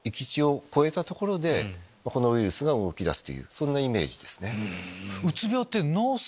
そんなイメージですね。